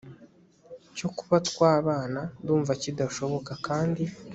cyo kuba twabana ndumva kidashoboka kandi